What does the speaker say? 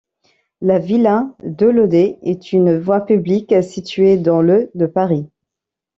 La villa Deloder est une voie publique située dans le de Paris.